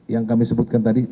yang kami sebutkan tadi